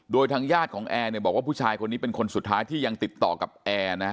โดยทางญาติของแอร์เนี่ยบอกว่าผู้ชายคนนี้เป็นคนสุดท้ายที่ยังติดต่อกับแอร์นะฮะ